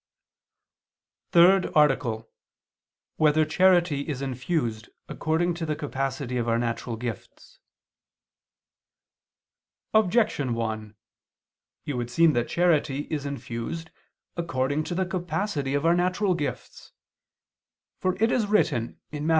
_______________________ THIRD ARTICLE [II II, Q. 24, Art. 3] Whether Charity Is Infused According to the Capacity of Our Natural Gifts? Objection 1: It would seem that charity is infused according to the capacity of our natural gifts. For it is written (Matt.